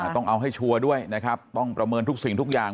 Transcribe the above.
ต้องเอาให้ชัวร์ด้วยนะครับต้องประเมินทุกสิ่งทุกอย่าง